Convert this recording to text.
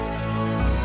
tidak ada hati